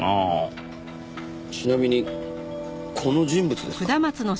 ちなみにこの人物ですか？